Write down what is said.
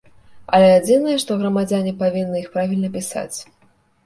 Але адзінае, што грамадзяне павінны іх правільна пісаць.